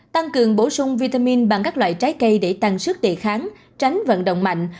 tăng cường bổ sung vitamin bằng các loại trái cây để tăng sức đề kháng tránh vận động mạnh